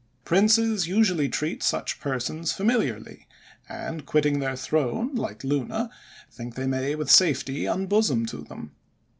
Princes usually treat such persons familiarly; and quitting their throne, like Luna, think they may, with safety, unbosom to them.